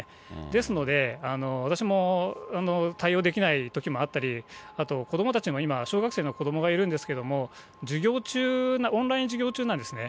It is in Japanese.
ですので、私も対応できないときもあったり、あと子どもたちも今、小学生の子どもがいるんですけども、授業中、オンライン授業中なんですね。